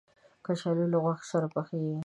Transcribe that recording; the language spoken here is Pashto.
کچالو له غوښې سره پخېږي